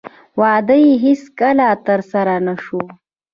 واده یې هېڅکله ترسره نه شو